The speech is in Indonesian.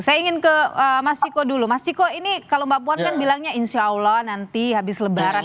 saya ingin ke mas ciko dulu mas ciko ini kalau mbak puan kan bilangnya insya allah nanti habis lebaran